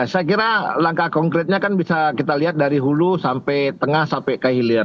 saya kira langkah konkretnya kan bisa kita lihat dari hulu sampai tengah sampai ke hilir